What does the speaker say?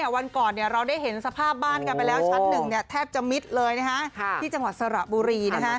วันก่อนเราได้เห็นสภาพบ้านกันไปแล้วชั้น๑แทบจะมิดเลยที่จังหวัดสระบุรี